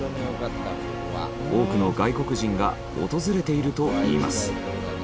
多くの外国人が訪れているといいます。